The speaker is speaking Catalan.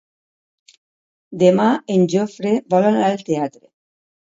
Demà en Jofre vol anar al teatre.